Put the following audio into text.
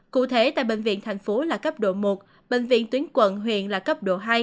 cụ thể tại bệnh viện thành phố là cấp độ một bệnh viện tuyến quận huyện là cấp độ hai